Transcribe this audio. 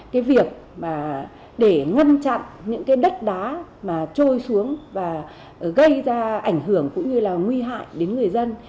cái việc mà để ngăn chặn những cái đất đá mà trôi xuống và gây ra ảnh hưởng cũng như là nguy hại đến người dân